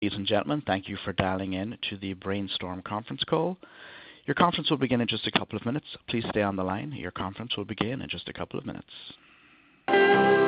Good day,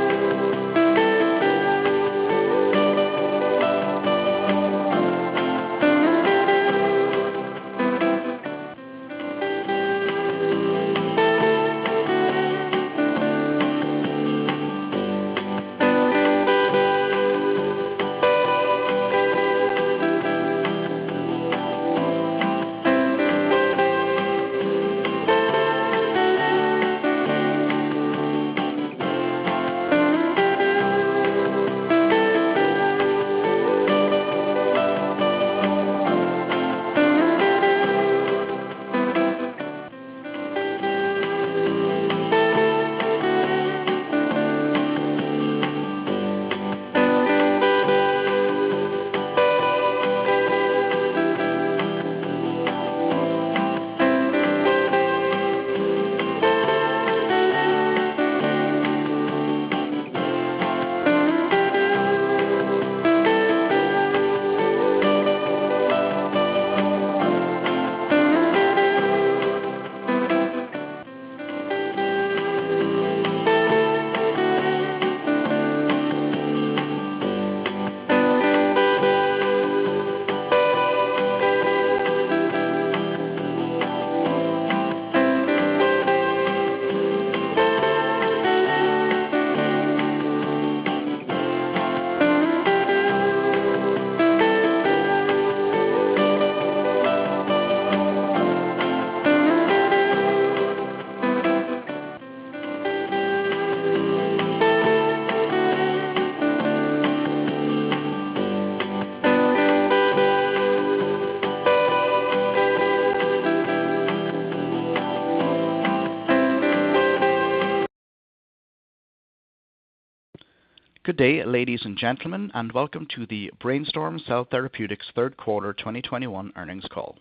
ladies and gentlemen, and welcome to the Brainstorm Cell Therapeutics Third Quarter 2021 Earnings Call.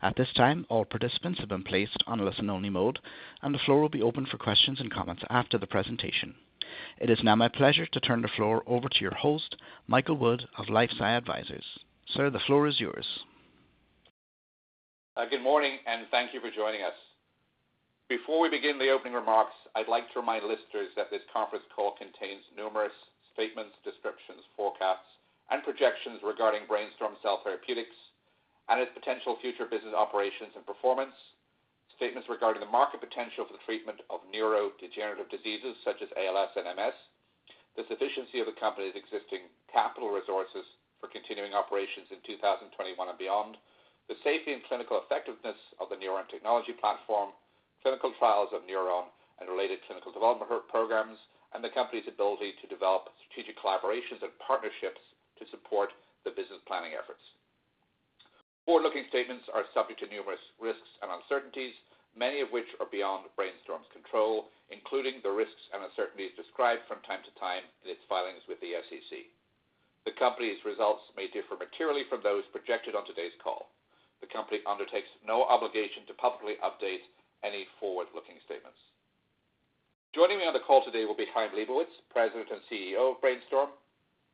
At this time, all participants have been placed on listen-only mode, and the floor will be open for questions and comments after the presentation. It is now my pleasure to turn the floor over to your host, Michael Wood of LifeSci Advisors. Sir, the floor is yours. Good morning, and thank you for joining us. Before we begin the opening remarks, I'd like to remind listeners that this conference call contains numerous statements, descriptions, forecasts, and projections regarding Brainstorm Cell Therapeutics and its potential future business operations and performance. Statements regarding the market potential for the treatment of neurodegenerative diseases such as ALS and MS, the sufficiency of the company's existing capital resources for continuing operations in 2021 and beyond, the safety and clinical effectiveness of the NurOwn technology platform, clinical trials of NurOwn and related clinical development programs, and the company's ability to develop strategic collaborations and partnerships to support the business planning efforts. Forward-looking statements are subject to numerous risks and uncertainties, many of which are beyond Brainstorm's control, including the risks and uncertainties described from time to time in its filings with the SEC. The Company's results may differ materially from those projected on today's call. The Company undertakes no obligation to publicly update any forward-looking statements. Joining me on the call today will be Chaim Lebovits, President and CEO of Brainstorm,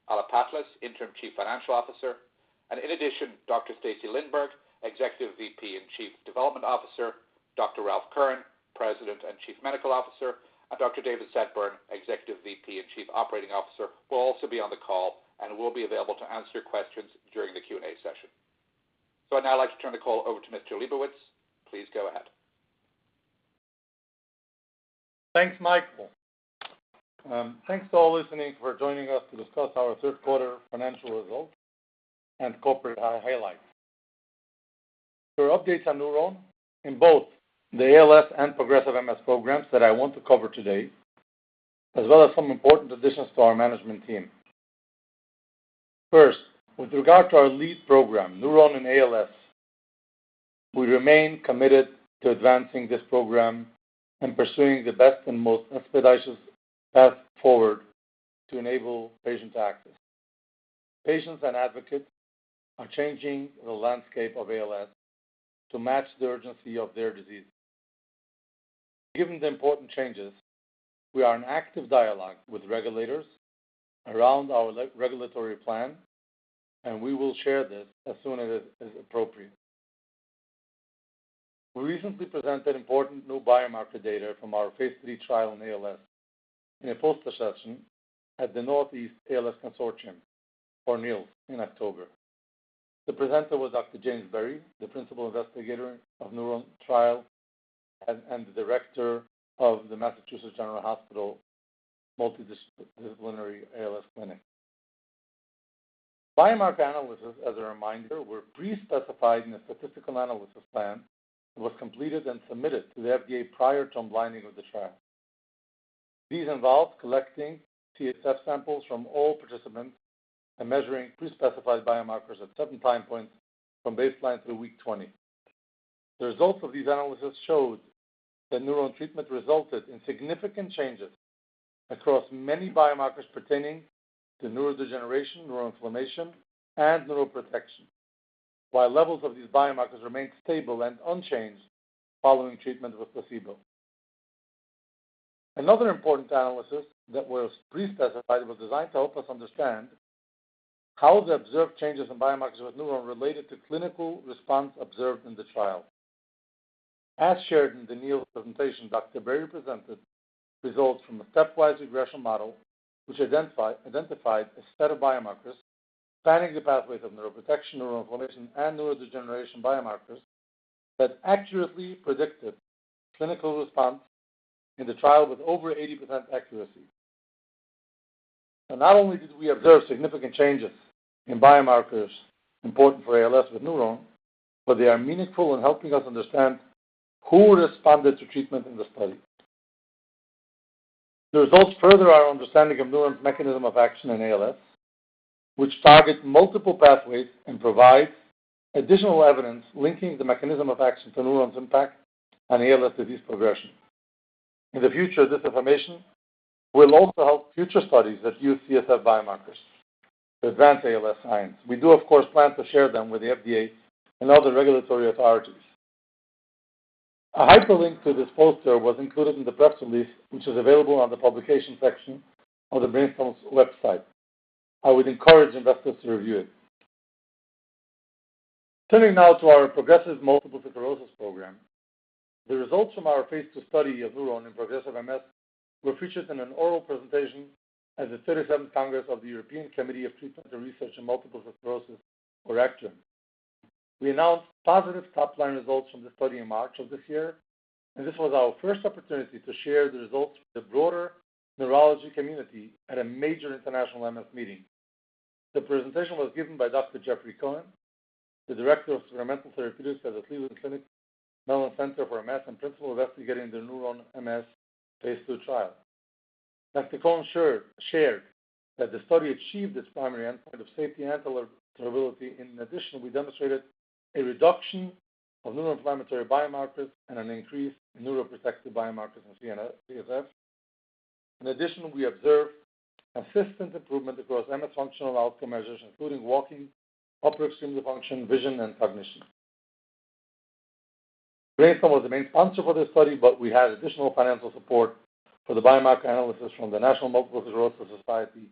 Alla Patlis, Interim Chief Financial Officer. In addition, Dr. Stacy Lindborg, Executive VP and Chief Development Officer. Dr. Ralph Kern, President and Chief Medical Officer, and Dr. David Setboun, Executive VP and Chief Operating Officer, will also be on the call and will be available to answer questions during the Q&A session. I'd now like to turn the call over to Mr. Lebovits. Please go ahead. Thanks, Michael. Thanks to all listening for joining us to discuss our third quarter financial results and corporate highlights. There are updates on NurOwn in both the ALS and progressive MS programs that I want to cover today, as well as some important additions to our management team. First, with regard to our lead program, NurOwn and ALS, we remain committed to advancing this program and pursuing the best and most expeditious path forward to enable patients access. Patients and advocates are changing the landscape of ALS to match the urgency of their disease. Given the important changes, we are in active dialogue with regulators around our regulatory plan, and we will share this as soon as is appropriate. We recently presented important new biomarker data from our phase III trial in ALS in a poster session at the Northeast ALS Consortium, NEALS, in October. The presenter was Dr. James Berry, the principal investigator of the NurOwn trial and the director of the Massachusetts General Hospital Multidisciplinary ALS Clinic. Biomarker analysis, as a reminder, were pre-specified in the statistical analysis plan and was completed and submitted to the FDA prior to unblinding of the trial. These involved collecting CSF samples from all participants and measuring pre-specified biomarkers at seven time points from baseline through week 20. The results of these analysis showed that NurOwn treatment resulted in significant changes across many biomarkers pertaining to neurodegeneration, neuroinflammation, and neuroprotection, while levels of these biomarkers remained stable and unchanged following treatment with placebo. Another important analysis that was pre-specified was designed to help us understand how the observed changes in biomarkers with NurOwn related to clinical response observed in the trial. As shared in the NEALS presentation, Dr. Berry presented results from a stepwise regression model which identified a set of biomarkers spanning the pathways of neuroprotection, neuroinflammation, and neurodegeneration biomarkers that accurately predicted clinical response in the trial with over 80% accuracy. Not only did we observe significant changes in biomarkers important for ALS with NurOwn, but they are meaningful in helping us understand who responded to treatment in the study. The results further our understanding of NurOwn's mechanism of action in ALS, which targets multiple pathways and provides additional evidence linking the mechanism of action to NurOwn's impact on ALS disease progression. In the future, this information will also help future studies that use CSF biomarkers to advance ALS science. We do, of course, plan to share them with the FDA and other regulatory authorities. A hyperlink to this poster was included in the press release, which is available on the publication section of the Brainstorm website. I would encourage investors to review it. Turning now to our progressive multiple sclerosis program. The results from our phase II study of NurOwn in progressive MS were featured in an oral presentation at the 37th Congress of the European Committee for Treatment and Research in Multiple Sclerosis, or ECTRIMS. We announced positive top-line results from the study in March of this year, and this was our first opportunity to share the results with the broader neurology community at a major international MS meeting. The presentation was given by Dr. Jeffrey Cohen, the Director of Experimental Therapeutics at the Cleveland Clinic, Mellen Center for MS, and Principal Investigator in the NurOwn MS phase II trial. Cohen shared that the study achieved its primary endpoint of safety and tolerability. In addition, we demonstrated a reduction of neuroinflammatory biomarkers and an increase in neuroprotective biomarkers in CSF. In addition, we observed consistent improvement across MS functional outcome measures, including walking, upper extremity function, vision, and cognition. Brainstorm was the main sponsor for this study, but we had additional financial support for the biomarker analysis from the National Multiple Sclerosis Society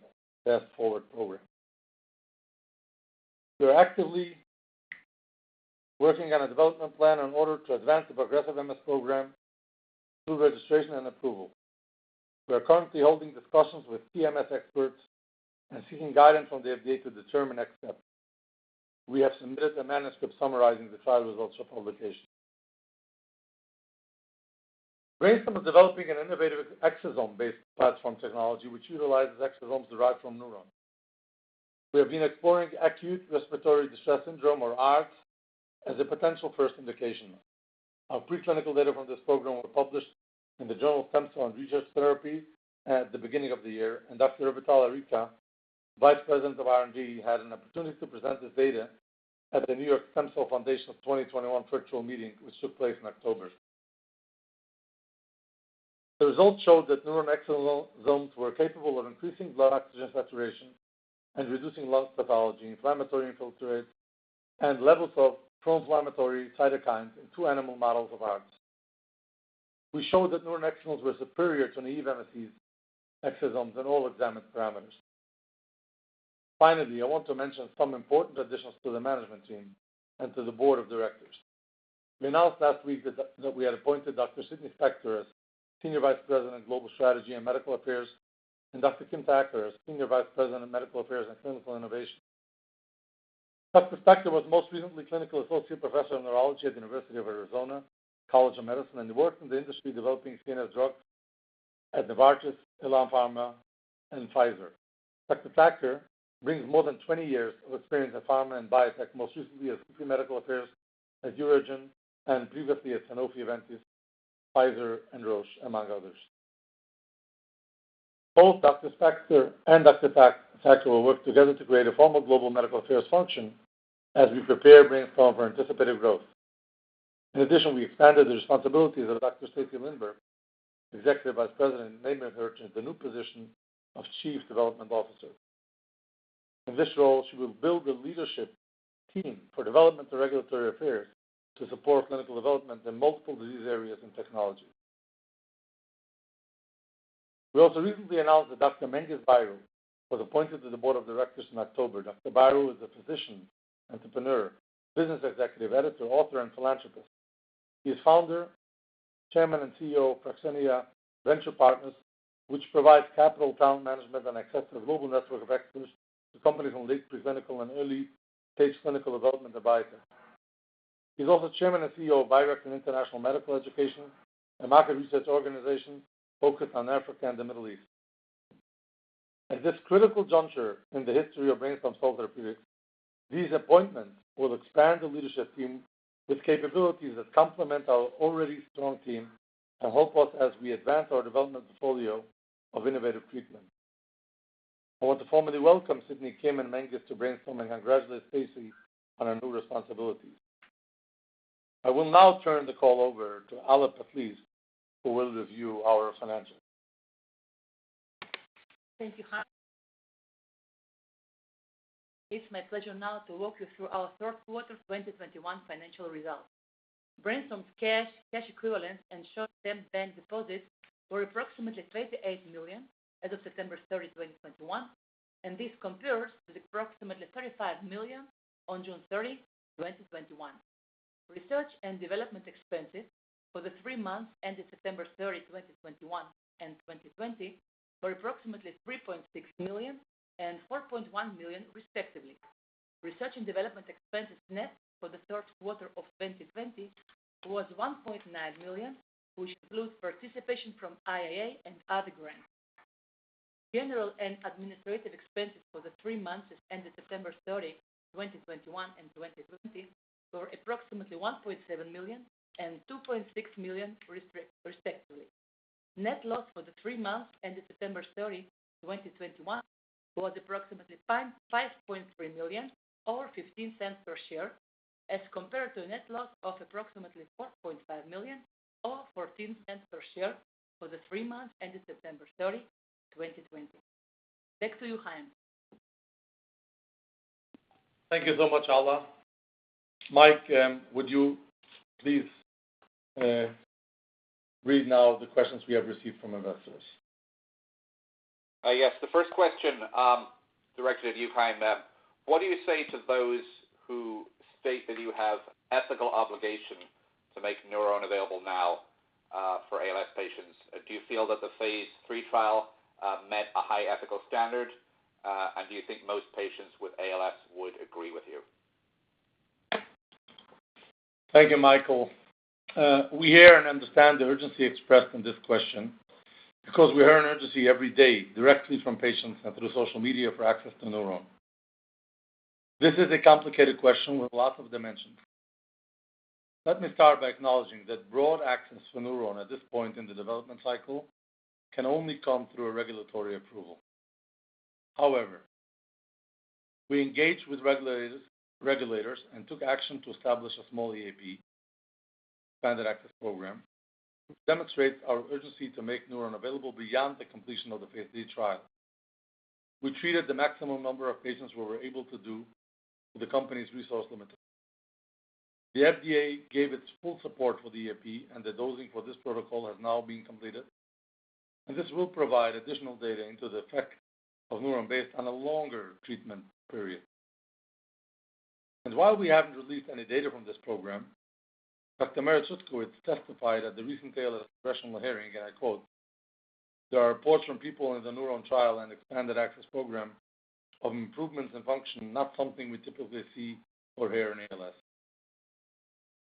Fast Forward program. We are actively working on a development plan in order to advance the progressive MS program through registration and approval. We are currently holding discussions with PMS experts and seeking guidance from the FDA to determine next steps. We have submitted a manuscript summarizing the trial results for publication. Brainstorm is developing an innovative exosome-based platform technology which utilizes exosomes derived from neurons. We have been exploring acute respiratory distress syndrome, or ARDS, as a potential first indication. Our preclinical data from this program were published in the Journal of Stem Cell Research & Therapy at the beginning of the year. Dr. Revital Geffen-Aricha, Vice President of R&D, had an opportunity to present this data at the New York Stem Cell Foundation's 2021 virtual meeting, which took place in October. The results showed that NurOwn exosomes were capable of increasing blood oxygen saturation and reducing lung pathology, inflammatory infiltrates, and levels of proinflammatory cytokines in two animal models of ARDS. We showed that NurOwn exosomes were superior to naive's exosomes in all examined parameters. Finally, I want to mention some important additions to the management team and to the board of directors. We announced last week that we had appointed Dr. Sidney Spector as Senior Vice President, Global Strategy and Medical Affairs, and Dr. Kim Thacker as Senior Vice President of Medical Affairs and Clinical Innovation. Dr. Spector was most recently Clinical Associate Professor of Neurology at the University of Arizona College of Medicine, and he worked in the industry developing CNS drugs at Novartis, Elan Pharma, and Pfizer. Dr. Thacker brings more than 20 years of experience at Pharma and Biotech, most recently as Senior Medical Affairs at UroGen, and previously at Sanofi-Aventis, Pfizer, and Roche, among others. Both Dr. Spector and Dr. Thacker will work together to create a formal global medical affairs function as we prepare Brainstorm for anticipated growth. In addition, we expanded the responsibilities of Dr. Stacy Lindborg, Executive Vice President, naming her to the new position of Chief Development Officer. In this role, she will build the leadership team for development and regulatory affairs to support clinical development in multiple disease areas and technologies. We also recently announced that Dr. Menghis Bairu was appointed to the board of directors in October. Dr. Bairu is a physician, entrepreneur, business executive, editor, author, and philanthropist. He is founder, chairman, and CEO of Proxenia Venture Partners, which provides capital, talent management, and access to a global network of experts to companies in late pre-clinical and early-stage clinical development of biotech. He's also chairman and CEO of Bairex International Medical Education, a market research organization focused on Africa and the Middle East. At this critical juncture in the history of Brainstorm Cell Therapeutics, these appointments will expand the leadership team with capabilities that complement our already strong team and help us as we advance our development portfolio of innovative treatments. I want to formally welcome Sidney, Kim, and Menghis to Brainstorm and congratulate Stacy on her new responsibilities. I will now turn the call over to Alla Patlis, who will review our financials. Thank you, Chaim Lebovits. It's my pleasure now to walk you through our third quarter 2021 financial results. Brainstorm's cash equivalents, and short-term bank deposits were approximately $28 million as of September 30, 2021, and this compares with approximately $35 million on June 30, 2021. Research and development expenses for the three months ended September 30, 2021 and 2020 were approximately $3.6 million and $4.1 million respectively. Research and development expenses net for the third quarter of 2020 was $1.9 million, which includes participation from IIA and other grants. General and administrative expenses for the three months ended December 30, 2021 and 2020 were approximately $1.7 million and $2.6 million respectively. Net loss for the three months ended September 30, 2021 was approximately $5.3 million or $0.15 per share as compared to a net loss of approximately $4.5 million or $0.14 per share for the three months ended September 30, 2020. Back to you, Chaim. Thank you so much, Alla. Mike, would you please read now the questions we have received from investors? Yes. The first question, directed at you, Chaim, what do you say to those who state that you have ethical obligation to make NurOwn available now, for ALS patients? Do you feel that the phase III trial met a high ethical standard? Do you think most patients with ALS would agree with you? Thank you, Michael. We hear and understand the urgency expressed in this question because we hear an urgency every day directly from patients and through social media for access to NurOwn. This is a complicated question with lots of dimensions. Let me start by acknowledging that broad access to NurOwn at this point in the development cycle can only come through a regulatory approval. However, we engaged with regulators and took action to establish a small EAP, expanded access program, to demonstrate our urgency to make NurOwn available beyond the completion of the phase III trial. We treated the maximum number of patients we were able to do with the company's resource limitations. The FDA gave its full support for the EAP, and the dosing for this protocol has now been completed, and this will provide additional data into the effect of NurOwn based on a longer treatment period. While we haven't released any data from this program, Dr. Merit Cudkowicz testified at the recent ALS congressional hearing, and I quote, "There are reports from people in the NurOwn trial and expanded access program of improvements in function, not something we typically see or hear in ALS."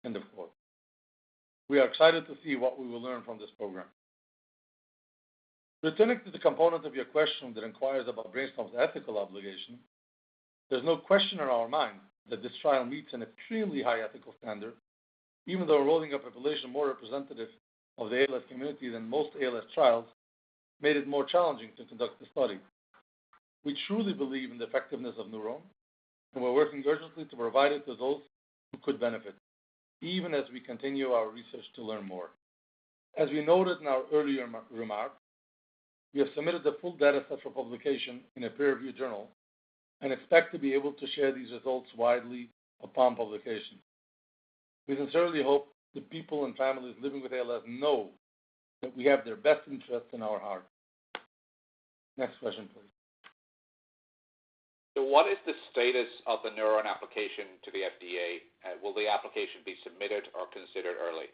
End of quote. We are excited to see what we will learn from this program. Returning to the component of your question that inquires about Brainstorm's ethical obligation, there's no question in our mind that this trial meets an extremely high ethical standard, even though enrolling a population more representative of the ALS community than most ALS trials made it more challenging to conduct the study. We truly believe in the effectiveness of NurOwn, and we're working urgently to provide it to those who could benefit, even as we continue our research to learn more. As we noted in our earlier remark, we have submitted the full data set for publication in a peer-reviewed journal and expect to be able to share these results widely upon publication. We sincerely hope the people and families living with ALS know that we have their best interests in our heart. Next question, please. What is the status of the NurOwn application to the FDA? Will the application be submitted or considered early?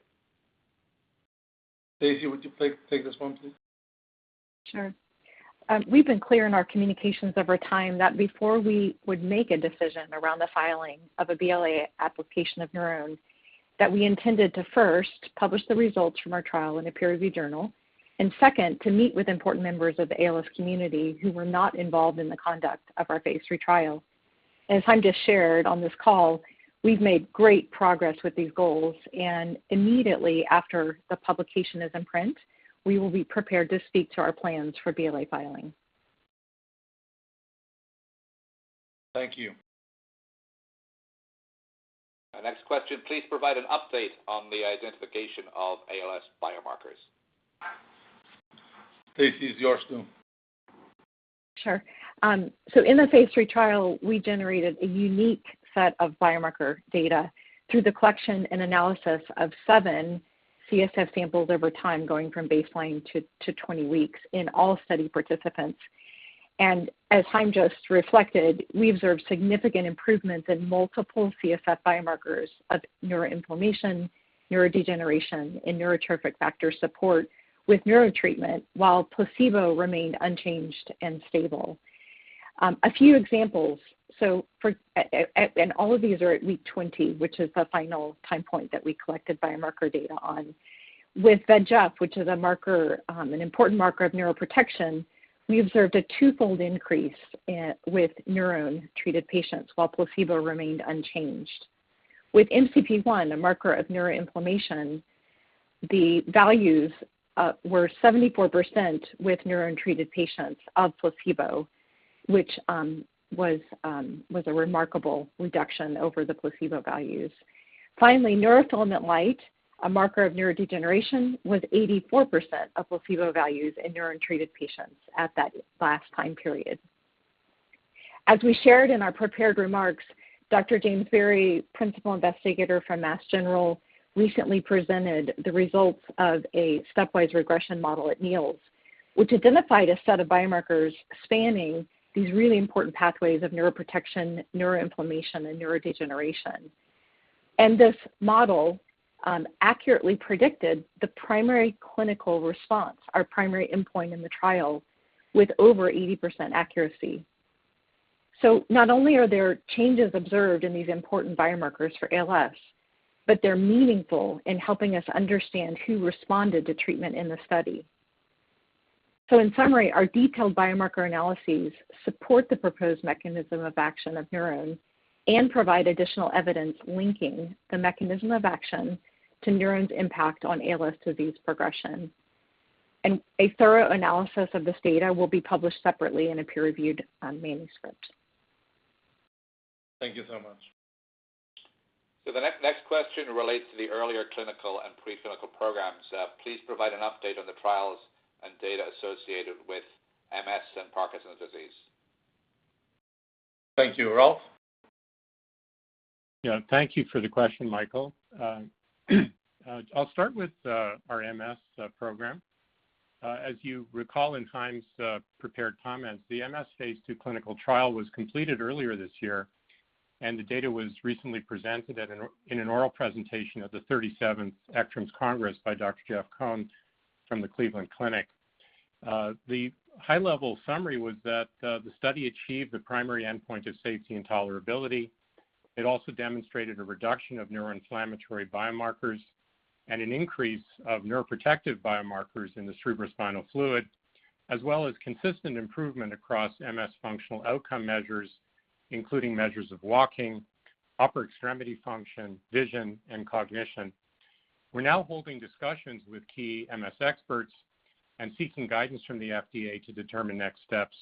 Stacy, would you take this one, please? Sure. We've been clear in our communications over time that before we would make a decision around the filing of a BLA application of NurOwn, that we intended to first publish the results from our trial in a peer-reviewed journal, and second, to meet with important members of the ALS community who were not involved in the conduct of our phase III trial. As Chaim just shared on this call, we've made great progress with these goals, and immediately after the publication is in print, we will be prepared to speak to our plans for BLA filing. Thank you. Our next question: Please provide an update on the identification of ALS biomarkers. Stacy, it's yours too. In the phase III trial, we generated a unique set of biomarker data through the collection and analysis of seven CSF samples over time, going from baseline to 20 weeks in all study participants. As Chaim just reflected, we observed significant improvements in multiple CSF biomarkers of neuroinflammation, neurodegeneration, and neurotrophic factor support with NurOwn treatment while placebo remained unchanged and stable. A few examples. All of these are at week 20, which is the final time point that we collected biomarker data on. With VEGF, which is an important marker of neuroprotection, we observed a twofold increase with NurOwn-treated patients while placebo remained unchanged. With MCP-1, a marker of neuroinflammation, the values were 74% with NurOwn-treated patients of placebo, which was a remarkable reduction over the placebo values. Finally, neurofilament light, a marker of neurodegeneration, was 84% of placebo values in NurOwn-treated patients at that last time period. As we shared in our prepared remarks, Dr. James Berry, Principal Investigator from Mass General, recently presented the results of a stepwise regression model at NEALS, which identified a set of biomarkers spanning these really important pathways of neuroprotection, neuroinflammation, and neurodegeneration. This model accurately predicted the primary clinical response, our primary endpoint in the trial, with over 80% accuracy. Not only are there changes observed in these important biomarkers for ALS, but they're meaningful in helping us understand who responded to treatment in the study. In summary, our detailed biomarker analyses support the proposed mechanism of action of NurOwn and provide additional evidence linking the mechanism of action to NurOwn's impact on ALS disease progression. A thorough analysis of this data will be published separately in a peer-reviewed manuscript. Thank you so much. The next question relates to the earlier clinical and pre-clinical programs. Please provide an update on the trials and data associated with MS and Parkinson's disease. Thank you. Ralph? Yeah. Thank you for the question, Michael. I'll start with our MS program. As you recall in Chaim's prepared comments, the MS phase II clinical trial was completed earlier this year, and the data was recently presented in an oral presentation at the 37th ECTRIMS Congress by Dr. Jeff Cohen from the Cleveland Clinic. The high-level summary was that the study achieved the primary endpoint of safety and tolerability. It also demonstrated a reduction of neuroinflammatory biomarkers and an increase of neuroprotective biomarkers in the cerebrospinal fluid, as well as consistent improvement across MS functional outcome measures, including measures of walking, upper extremity function, vision, and cognition. We're now holding discussions with key MS experts and seeking guidance from the FDA to determine next steps.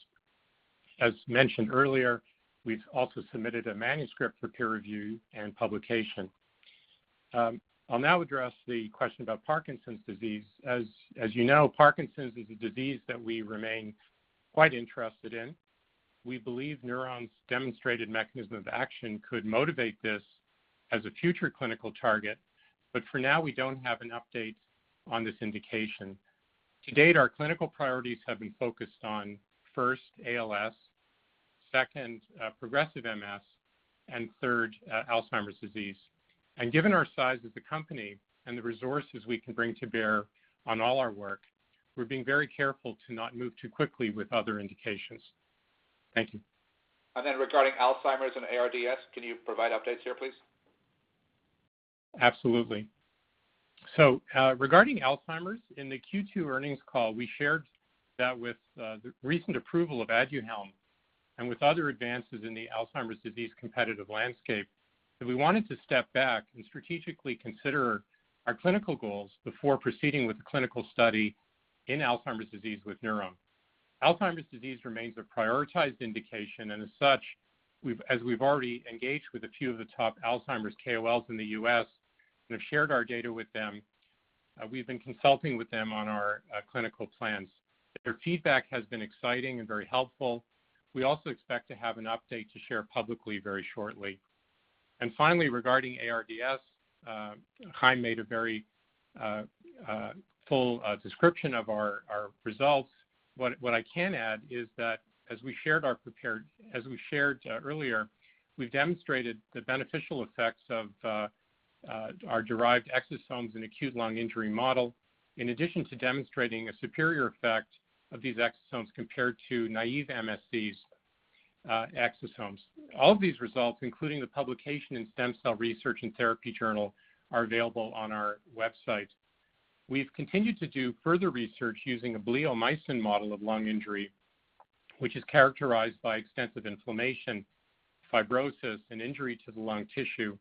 As mentioned earlier, we've also submitted a manuscript for peer review and publication. I'll now address the question about Parkinson's disease. As you know, Parkinson's is a disease that we remain quite interested in. We believe NurOwn's demonstrated mechanism of action could motivate this as a future clinical target, but for now, we don't have an update on this indication. To date, our clinical priorities have been focused on, first, ALS, second, progressive MS, and third, Alzheimer's disease. Given our size as the company and the resources we can bring to bear on all our work, we're being very careful to not move too quickly with other indications. Thank you. Regarding Alzheimer's and ARDS, can you provide updates here, please? Absolutely. Regarding Alzheimer's, in the Q2 earnings call, we shared that with the recent approval of Aduhelm and with other advances in the Alzheimer's disease competitive landscape, that we wanted to step back and strategically consider our clinical goals before proceeding with a clinical study in Alzheimer's disease with NurOwn. Alzheimer's disease remains a prioritized indication, and as such, we've already engaged with a few of the top Alzheimer's KOLs in the U.S. and have shared our data with them. We've been consulting with them on our clinical plans. Their feedback has been exciting and very helpful. We also expect to have an update to share publicly very shortly. Finally, regarding ARDS, Chaim made a very full description of our results. What I can add is that as we shared earlier, we've demonstrated the beneficial effects of our derived exosomes in acute lung injury model, in addition to demonstrating a superior effect of these exosomes compared to naive MSC exosomes. All of these results, including the publication in Stem Cell Research & Therapy, are available on our website. We've continued to do further research using a bleomycin model of lung injury, which is characterized by extensive inflammation, fibrosis, and injury to the lung tissue.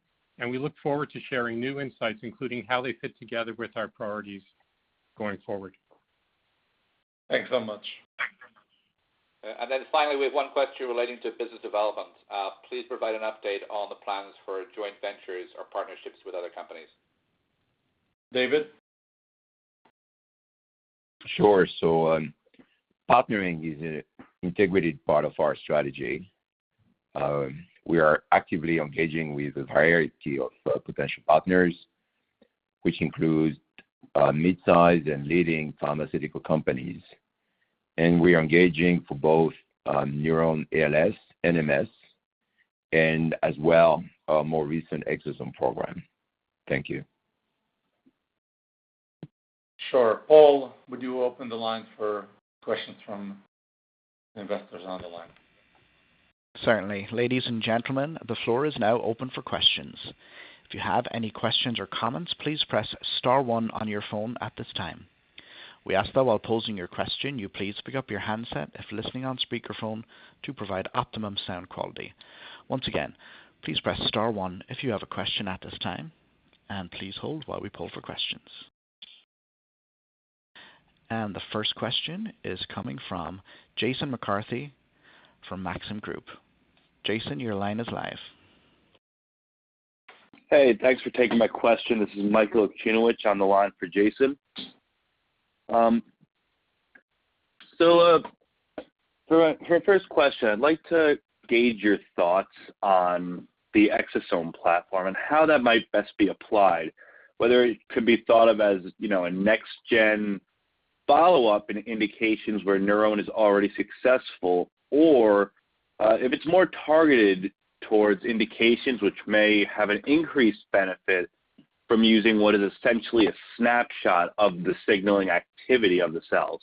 We look forward to sharing new insights, including how they fit together with our priorities going forward. Thanks so much. We have one question relating to business development. Please provide an update on the plans for joint ventures or partnerships with other companies. David? Sure. Partnering is an integrated part of our strategy. We are actively engaging with a variety of potential partners, which includes mid-sized and leading pharmaceutical companies. We are engaging for both NurOwn ALS, and MS, and as well, our more recent exosome program. Thank you. Sure. Paul, would you open the line for questions from investors on the line? Certainly. Ladies and gentlemen, the floor is now open for questions. If you have any questions or comments, please press star one on your phone at this time. We ask that while posing your question, you please pick up your handset if listening on speakerphone to provide optimum sound quality. Once again, please press star one if you have a question at this time, and please hold while we poll for questions. The first question is coming from Jason McCarthy from Maxim Group. Jason, your line is live. Hey, thanks for taking my question. This is Michael Okunewitch on the line for Jason. For my first question, I'd like to gauge your thoughts on the Exosome platform and how that might best be applied, whether it could be thought of as, you know, a next gen follow-up in indications where NurOwn is already successful, or if it's more targeted towards indications which may have an increased benefit from using what is essentially a snapshot of the signaling activity of the cells.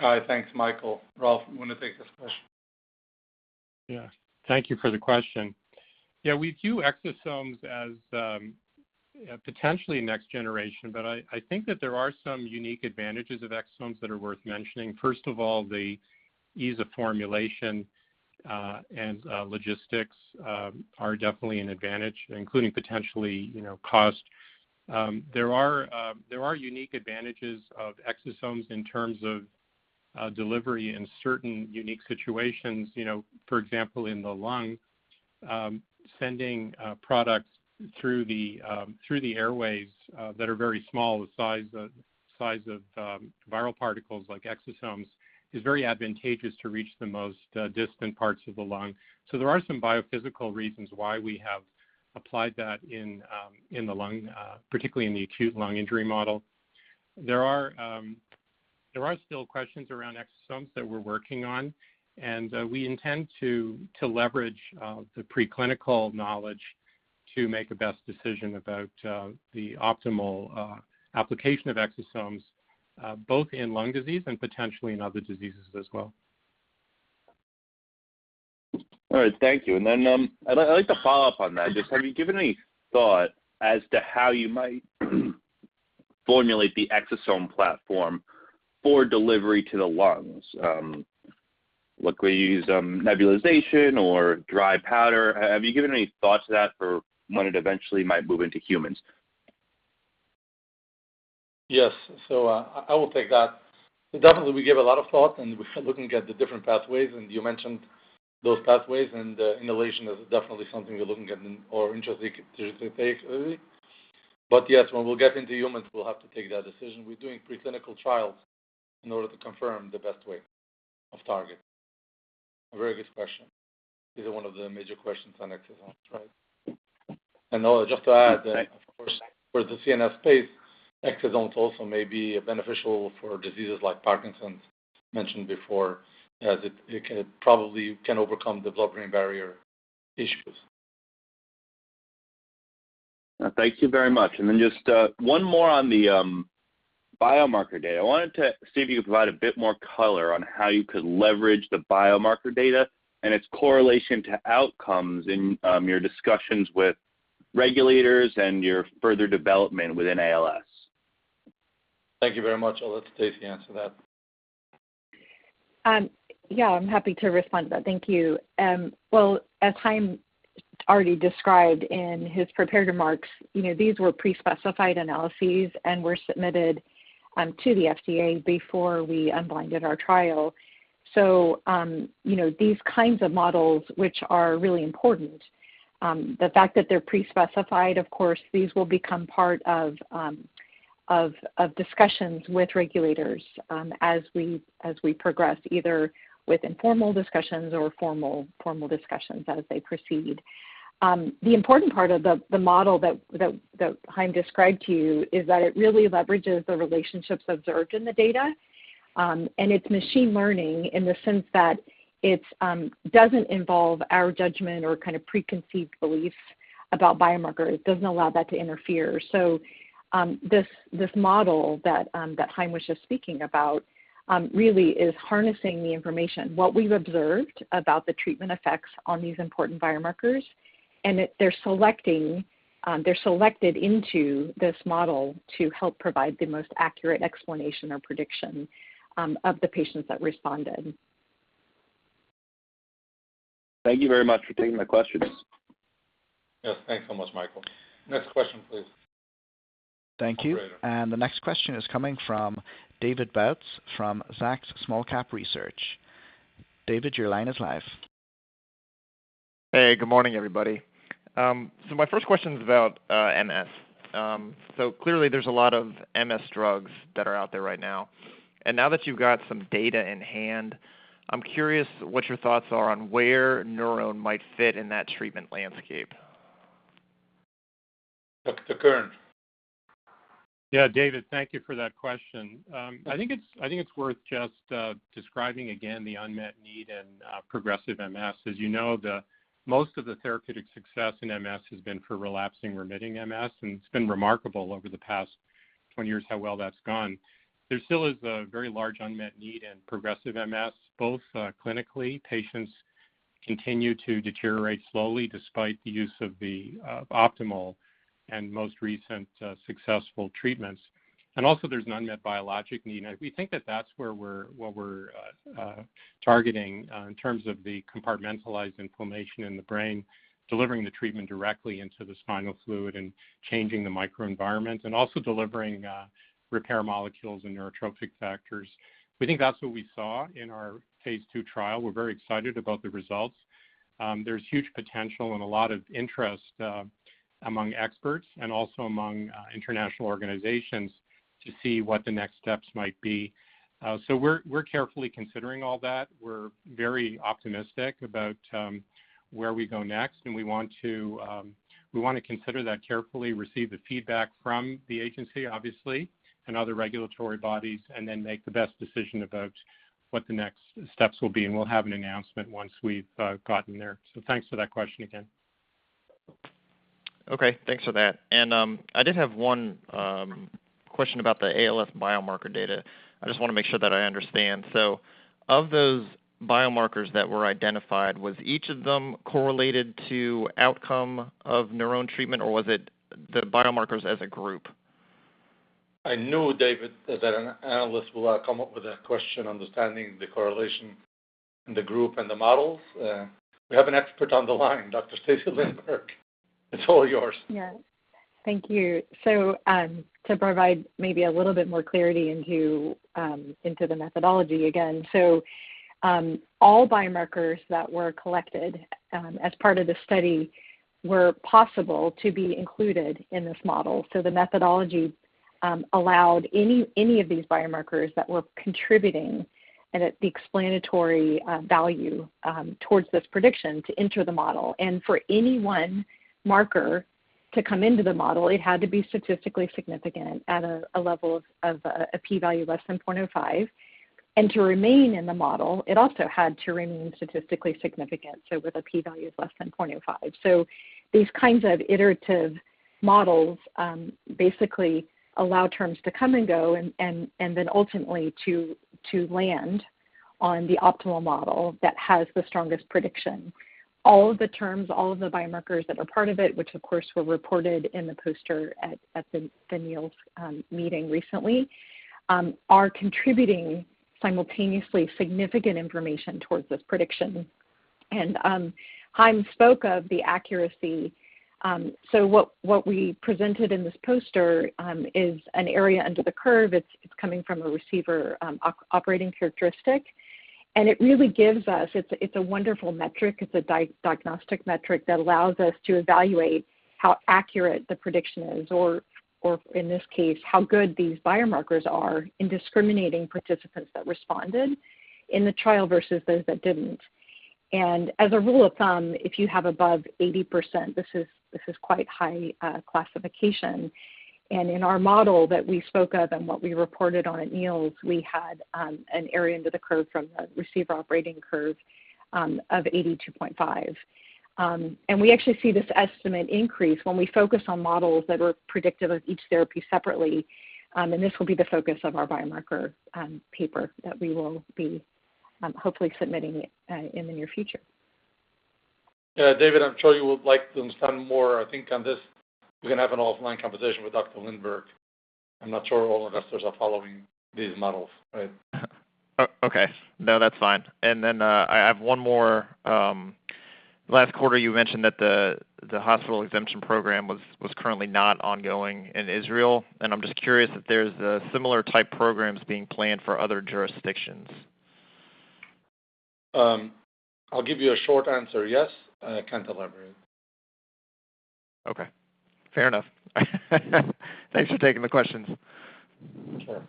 All right. Thanks, Michael. Ralph, you wanna take this question? Yeah. Thank you for the question. Yeah, we view exosomes as potentially next generation, but I think that there are some unique advantages of exosomes that are worth mentioning. First of all, the ease of formulation and logistics are definitely an advantage, including potentially, you know, cost. There are unique advantages of exosomes in terms of delivery in certain unique situations, you know. For example, in the lung, sending products through the airways that are very small, the size of viral particles like exosomes is very advantageous to reach the most distant parts of the lung. There are some biophysical reasons why we have applied that in the lung, particularly in the acute lung injury model. There are still questions around exosomes that we're working on, and we intend to leverage the preclinical knowledge to make a best decision about the optimal application of exosomes both in lung disease and potentially in other diseases as well. All right. Thank you. I'd like to follow up on that. Just have you given any thought as to how you might formulate the Exosome platform for delivery to the lungs, like we use, nebulization or dry powder. Have you given any thought to that for when it eventually might move into humans? Yes. I will take that. Definitely, we give a lot of thought, and we're looking at the different pathways, and you mentioned those pathways. Inhalation is definitely something we're looking at and are interested to take. Yes, when we'll get into humans, we'll have to take that decision. We're doing preclinical trials in order to confirm the best way of target. A very good question. These are one of the major questions on exosomes. Right. Just to add, of course, for the CNS space, exosomes also may be beneficial for diseases like Parkinson's, mentioned before, as it can probably overcome the blood-brain barrier issues. Thank you very much. Just one more on the biomarker data. I wanted to see if you could provide a bit more color on how you could leverage the biomarker data and its correlation to outcomes in your discussions with regulators and your further development within ALS. Thank you very much. I'll let Stacy answer that. Yeah, I'm happy to respond to that. Thank you. Well, as Chaim already described in his prepared remarks, you know, these were pre-specified analyses and were submitted to the FDA before we unblinded our trial. You know, these kinds of models which are really important. The fact that they're pre-specified, of course these will become part of discussions with regulators as we progress, either with informal discussions or formal discussions as they proceed. The important part of the model that Chaim described to you is that it really leverages the relationships observed in the data. It's machine learning in the sense that it doesn't involve our judgment or kind of preconceived beliefs about biomarkers. It doesn't allow that to interfere. This model that Chaim was just speaking about really is harnessing the information, what we've observed about the treatment effects on these important biomarkers, and that they're selected into this model to help provide the most accurate explanation or prediction of the patients that responded. Thank you very much for taking my questions. Yes. Thanks so much, Michael. Next question, please. Thank you. Operator. The next question is coming from David Bautz from Zacks Small Cap Research. David, your line is live. Hey, good morning, everybody. My first question is about MS. Clearly, there's a lot of MS drugs that are out there right now. Now that you've got some data in hand, I'm curious what your thoughts are on where NurOwn might fit in that treatment landscape. Dr. Kern? Yeah. David, thank you for that question. I think it's worth just describing again the unmet need in progressive MS. As you know, most of the therapeutic success in MS has been for relapsing remitting MS, and it's been remarkable over the past 20 years how well that's gone. There still is a very large unmet need in progressive MS, both clinically, patients continue to deteriorate slowly despite the use of the optimal and most recent successful treatments. Also, there's an unmet biologic need. We think that that's where we're targeting in terms of the compartmentalized inflammation in the brain, delivering the treatment directly into the spinal fluid and changing the microenvironment, and also delivering repair molecules and neurotrophic factors. We think that's what we saw in our phase II trial. We're very excited about the results. There's huge potential and a lot of interest among experts and also among international organizations to see what the next steps might be. We're carefully considering all that. We're very optimistic about where we go next, and we want to consider that carefully, receive the feedback from the agency, obviously, and other regulatory bodies, and then make the best decision about what the next steps will be. We'll have an announcement once we've gotten there. Thanks for that question again. Okay, thanks for that. I did have one question about the ALS biomarker data. I just wanna make sure that I understand. Of those biomarkers that were identified, was each of them correlated to outcome of NurOwn treatment, or was it the biomarkers as a group? I know, David, that an analyst will come up with a question understanding the correlation in the group and the models. We have an expert on the line, Dr. Stacy Lindborg. It's all yours. Yes. Thank you. To provide maybe a little bit more clarity into the methodology again. All biomarkers that were collected as part of the study were possible to be included in this model. The methodology allowed any of these biomarkers that were contributing any explanatory value towards this prediction to enter the model. For any one marker to come into the model, it had to be statistically significant at a level of a p-value less than 0.05. To remain in the model, it also had to remain statistically significant, so with a p-value less than 0.05. These kinds of iterative models basically allow terms to come and go and then ultimately to land on the optimal model that has the strongest prediction. All of the terms, all of the biomarkers that are part of it, which of course were reported in the poster at the NEALS meeting recently, are contributing simultaneously significant information towards this prediction. Chaim spoke of the accuracy. What we presented in this poster is an area under the curve. It's coming from a receiver operating characteristic, and it really gives us. It's a wonderful metric. It's a diagnostic metric that allows us to evaluate how accurate the prediction is or in this case, how good these biomarkers are in discriminating participants that responded in the trial versus those that didn't. As a rule of thumb, if you have above 80%, this is quite high classification. In our model that we spoke of and what we reported on at NEALS, we had an area under the curve from the receiver operating curve of 82.5%. We actually see this estimate increase when we focus on models that were predictive of each therapy separately, and this will be the focus of our biomarker paper that we will be hopefully submitting it in the near future. Yeah. David, I'm sure you would like to understand more, I think, on this. We can have an offline conversation with Dr. Lindborg. I'm not sure all investors are following these models, right? Okay. No, that's fine. I have one more. Last quarter you mentioned that the hospital exemption program was currently not ongoing in Israel, and I'm just curious if there's similar type programs being planned for other jurisdictions. I'll give you a short answer. Yes. Can't elaborate. Okay. Fair enough. Thanks for taking the questions. Sure.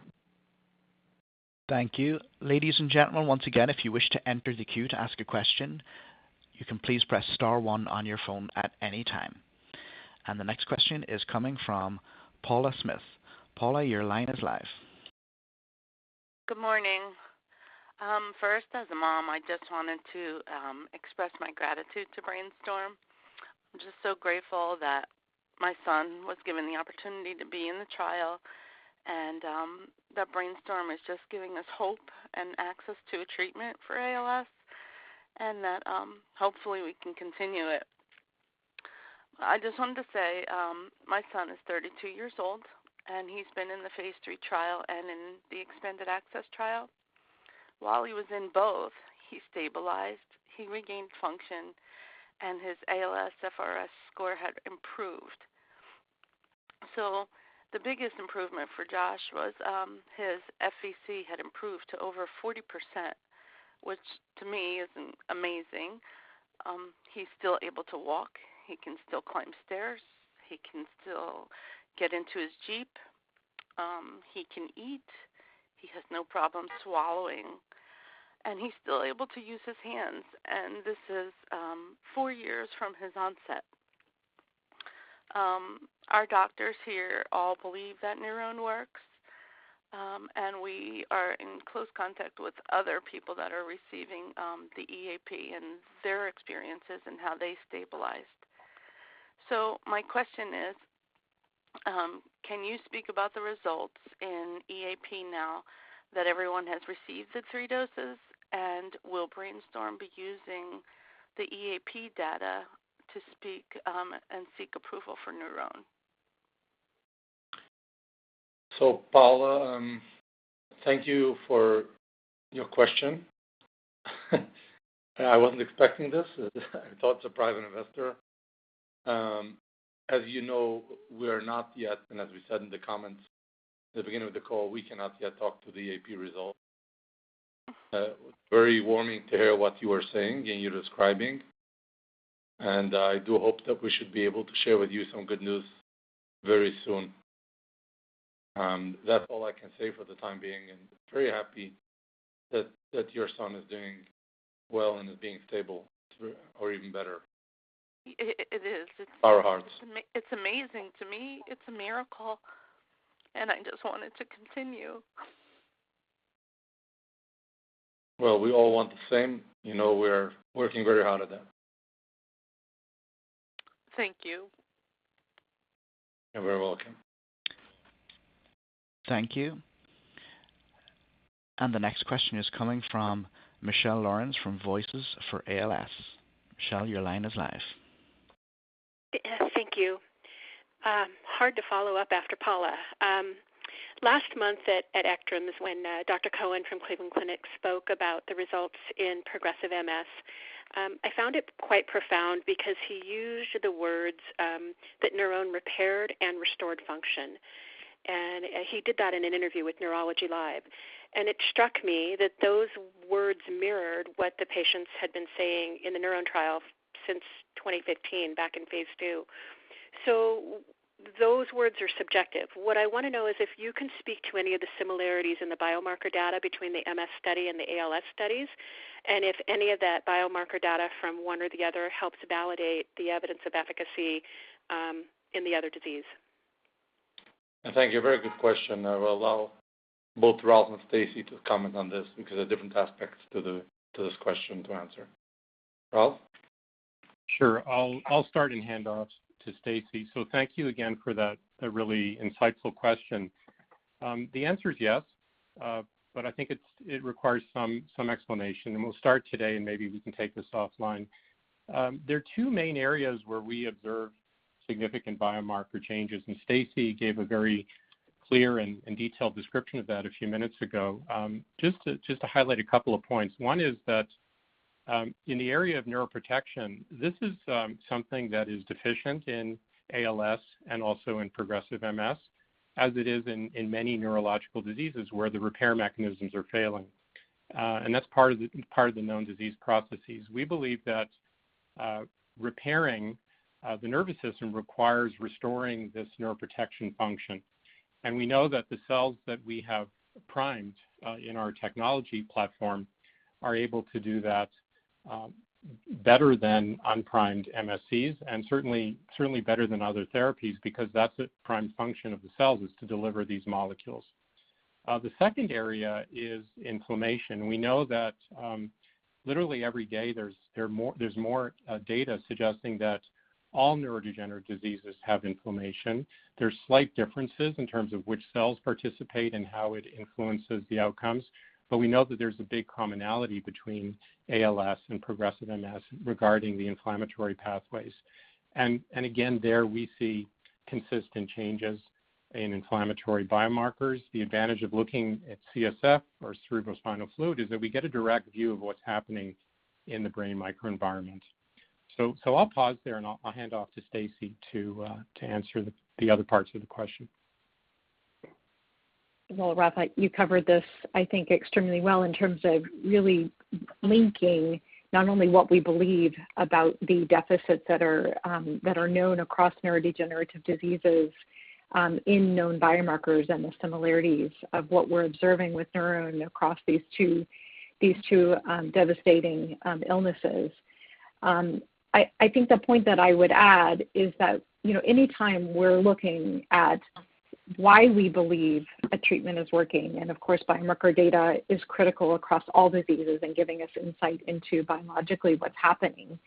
Thank you. Ladies and gentlemen, once again, if you wish to enter the queue to ask a question, you can please press star one on your phone at any time. The next question is coming from Paula Smith. Paula, your line is live. Good morning. First, as a mom, I just wanted to express my gratitude to Brainstorm. I'm just so grateful that my son was given the opportunity to be in the trial and that Brainstorm is just giving us hope and access to a treatment for ALS and that hopefully we can continue it. I just wanted to say my son is 32 years old, and he's been in the phase III trial and in the expanded access trial. While he was in both, he stabilized, he regained function, and his ALS FRS score had improved. The biggest improvement for Josh was his FVC had improved to over 40%, which to me is amazing. He's still able to walk. He can still climb stairs. He can still get into his Jeep. He can eat. He has no problem swallowing, and he's still able to use his hands. This is four years from his onset. Our doctors here all believe that NurOwn works. We are in close contact with other people that are receiving the EAP and their experiences and how they stabilized. My question is, can you speak about the results in EAP now that everyone has received the three doses? Will Brainstorm be using the EAP data to speak and seek approval for NurOwn? Paula, thank you for your question. I wasn't expecting this. I thought it's a private investor. As you know, we are not yet, and as we said in the comments at the beginning of the call, we cannot yet talk to the top-line result. Very heartwarming to hear what you are saying and you're describing. I do hope that we should be able to share with you some good news very soon. That's all I can say for the time being, and very happy that your son is doing well and is being stable or even better. It is. Our hearts. It's amazing to me. It's a miracle, and I just want it to continue. Well, we all want the same. You know, we're working very hard at that. Thank you. You're very welcome. Thank you. The next question is coming from Michelle Lawrence, from Voices for ALS. Michelle, your line is live. Yes, thank you. Hard to follow up after Paula. Last month at ECTRIMS, when Dr. Cohen from Cleveland Clinic spoke about the results in progressive MS, I found it quite profound because he used the words that NurOwn repaired and restored function. He did that in an interview with Neurology Live. It struck me that those words mirrored what the patients had been saying in the NurOwn trial since 2015 back in phase II. Those words are subjective. What I wanna know is if you can speak to any of the similarities in the biomarker data between the MS study and the ALS studies, and if any of that biomarker data from one or the other helps validate the evidence of efficacy in the other disease. Thank you. Very good question. I will allow both Ralph and Stacy to comment on this because there are different aspects to this question to answer. Ralph? Sure. I'll start and hand off to Stacy. Thank you again for that really insightful question. The answer is yes, but I think it requires some explanation. We'll start today, and maybe we can take this offline. There are two main areas where we observe significant biomarker changes. Stacy gave a very clear and detailed description of that a few minutes ago. Just to highlight a couple of points. One is that in the area of neuroprotection, this is something that is deficient in ALS and also in progressive MS, as it is in many neurological diseases where the repair mechanisms are failing. That's part of the known disease processes. We believe that repairing the nervous system requires restoring this neuroprotection function. We know that the cells that we have primed in our technology platform are able to do that better than unprimed MSCs and certainly better than other therapies because that's a prime function of the cells, is to deliver these molecules. The second area is inflammation. We know that literally every day, there's more data suggesting that all neurodegenerative diseases have inflammation. There's slight differences in terms of which cells participate and how it influences the outcomes. We know that there's a big commonality between ALS and progressive MS regarding the inflammatory pathways. Again, there we see consistent changes in inflammatory biomarkers. The advantage of looking at CSF or cerebrospinal fluid is that we get a direct view of what's happening in the brain microenvironment. I'll pause there, and I'll hand off to Stacy to answer the other parts of the question. Well, Ralph, you covered this, I think extremely well in terms of really linking not only what we believe about the deficits that are known across neurodegenerative diseases in known biomarkers and the similarities of what we're observing with NurOwn across these two devastating illnesses. I think the point that I would add is that, you know, anytime we're looking at why we believe a treatment is working, and of course, biomarker data is critical across all diseases and giving us insight into biologically what's happening.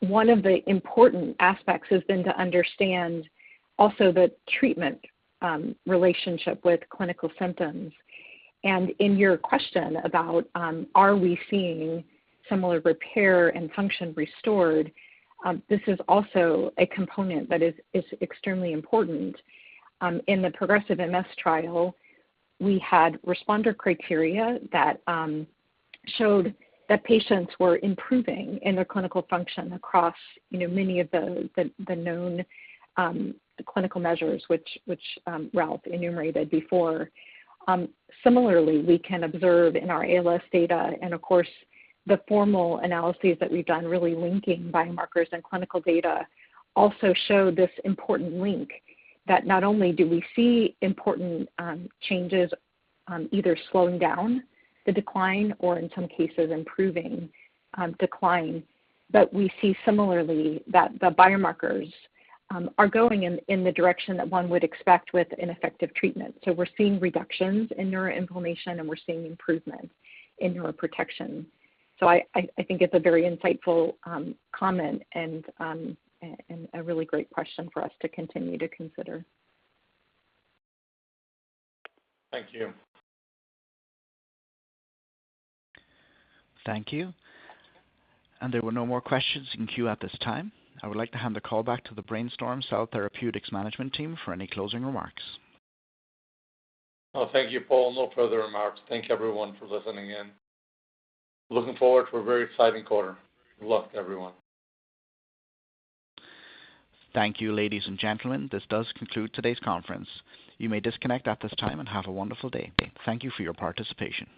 One of the important aspects has been to understand also the treatment relationship with clinical symptoms. In your question about are we seeing similar repair and function restored, this is also a component that is extremely important. In the progressive MS trial, we had responder criteria that showed that patients were improving in their clinical function across, you know, many of the known clinical measures, which Ralph enumerated before. Similarly, we can observe in our ALS data, and of course, the formal analyses that we've done really linking biomarkers and clinical data also show this important link that not only do we see important changes either slowing down the decline or in some cases improving decline, but we see similarly that the biomarkers are going in the direction that one would expect with an effective treatment. We're seeing reductions in neuroinflammation, and we're seeing improvements in neuroprotection. I think it's a very insightful comment and a really great question for us to continue to consider. Thank you. Thank you. There were no more questions in queue at this time. I would like to hand the call back to the Brainstorm Cell Therapeutics management team for any closing remarks. Oh, thank you, Paul. No further remarks. Thank everyone for listening in. Looking forward to a very exciting quarter. Good luck, everyone. Thank you, ladies and gentlemen. This does conclude today's conference. You may disconnect at this time, and have a wonderful day. Thank you for your participation.